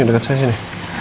sini dekat saya sini